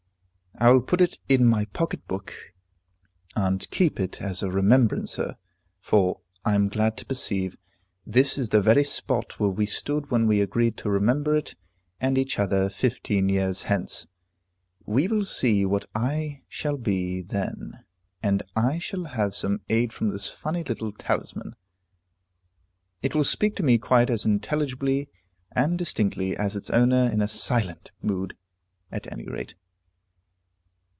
"I will put it in my pocket book, and keep it as a remembrancer, for I am glad to perceive this is the very spot where we stood when we agreed to remember it and each other fifteen years hence. We will see what I shall be then, and I shall have some aid from this funny little talisman; it will speak to me quite as intelligibly and distinctly as its owner in a silent mood, at any rate."